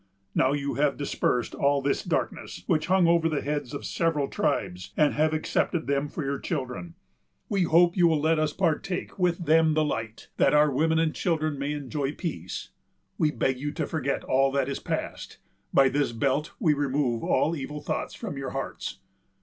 Now you have dispersed all this darkness, which hung over the heads of the several tribes, and have accepted them for your children, we hope you will let us partake with them the light, that our women and children may enjoy peace. We beg you to forget all that is past. By this belt we remove all evil thoughts from your hearts.